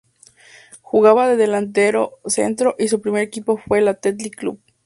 Jugaba de delantero centro y su primer equipo fue el Athletic Club.